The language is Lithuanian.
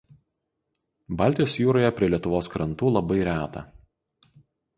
Baltijos jūroje prie Lietuvos krantų labai reta.